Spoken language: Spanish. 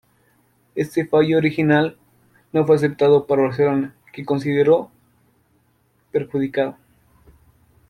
Este fallo original no fue aceptado por Barcelona, que se consideró perjudicado.